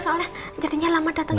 soalnya jadinya lama dateng